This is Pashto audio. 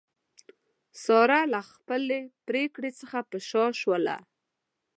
ساره له خپلې پرېکړې څخه په شا شوله.